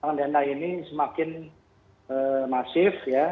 panggangan dana ini semakin hmm masif ya